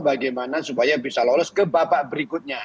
bagaimana supaya bisa lolos ke babak berikutnya